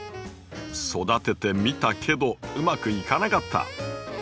「育ててみたけどうまくいかなかった」。